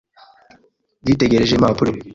Yitegereje impapuro.